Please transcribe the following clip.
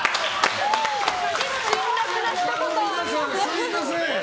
辛辣なひと言。